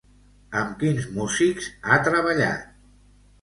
Amb quins músics ha treballat?